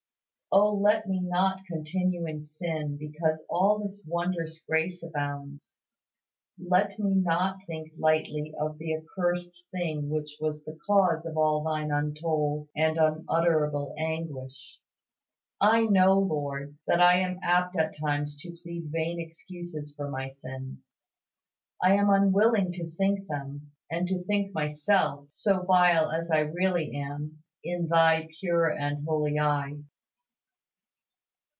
Oh let me not continue in sin because all this wondrous grace abounds. Let me not think lightly of the accursed thing which was the cause of all Thine untold and unutterable anguish. I know, Lord, that I am apt at times to plead vain excuses for my sins. I am unwilling to think them, and to think myself, so vile as I really am, in Thy pure and holy eye.